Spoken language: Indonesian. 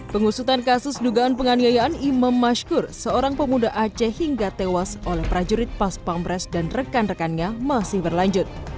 pengusutan kasus dugaan penganiayaan imam mashkur seorang pemuda aceh hingga tewas oleh prajurit pas pampres dan rekan rekannya masih berlanjut